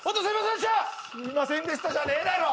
「すいませんでした」じゃねえだろ！